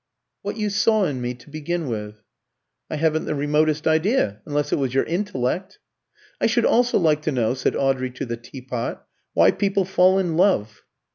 "What you saw in me, to begin with." "I haven't the remotest idea unless it was your intellect." "I should also like to know," said Audrey to the teapot, "why people fall in love?"